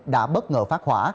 đã bất ngờ phát hỏa